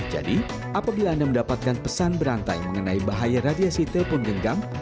jadi apabila anda mendapatkan pesan berantai mengenai bahaya radiasi telpon genggam